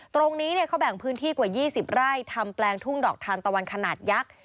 ตรงนี้เขาแบ่งพื้นที่กว่า๒๐ไร่ทำแปลงทุ่งดอกทานตะวันขนาดยักษ์